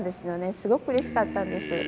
すごくうれしかったんです。